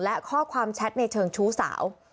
และข้อความแชทในเชิงชู้สาว